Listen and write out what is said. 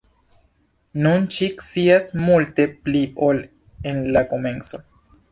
Nun ŝi scias multe pli ol en la komenco.